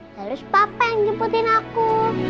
lalu si papa yang jemputin aku